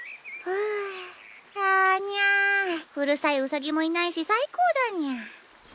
うるさいウサギもいないし最高だにゃ。